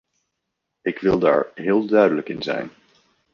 Ik wil daar heel duidelijk in zijn.